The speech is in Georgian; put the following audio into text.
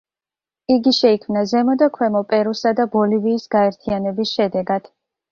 იგი შეიქმნა ზემო და ქვემო პერუსა და ბოლივიის გაერთიანების შედეგად.